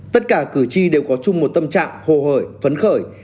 tất cả cử tri đều có chung một tâm trạng hồ hởi phấn khởi